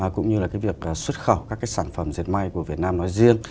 cũng như là cái việc xuất khẩu các cái sản phẩm dệt may của việt nam nói riêng